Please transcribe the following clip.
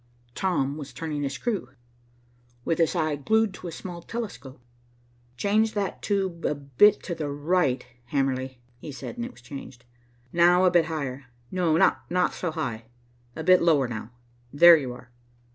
Tom was turning a screw, with his eye glued to a small telescope. "Change that tube a bit to the right, Hamerly," he said, and it was changed. "Now a bit higher. No, not so high, a bit lower now. There you are."